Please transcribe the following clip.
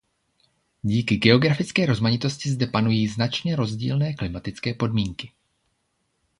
Díky geografické rozmanitosti zde panují značně rozdílné klimatické podmínky.